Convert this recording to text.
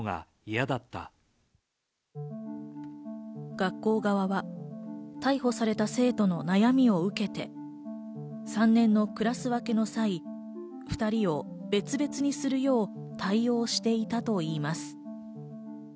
学校側は逮捕された生徒の悩みを受けて３年のクラス分けの際、２人を別々にするよう対応していたといいます。